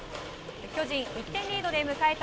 巨人、１点リードで迎えた